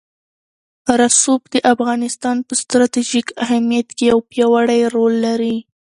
رسوب د افغانستان په ستراتیژیک اهمیت کې یو پیاوړی رول لري.